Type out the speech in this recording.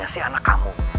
ada si anak kamu